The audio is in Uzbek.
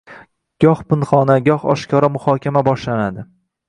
Goh pinhona, goh oshkora muhokama boshlanadi.